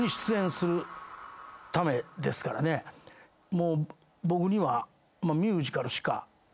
もう僕には。